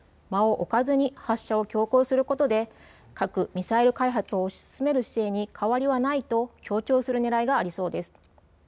間を置かずに発射を強行することで核・ミサイル開発を推し進める姿勢に変わりはないと強調するねらいがありそうです。